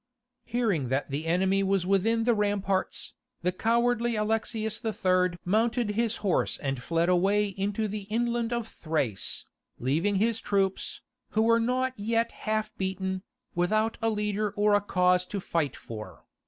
Hearing that the enemy was within the ramparts, the cowardly Alexius III. mounted his horse and fled away into the inland of Thrace, leaving his troops, who were not yet half beaten, without a leader or a cause to fight for.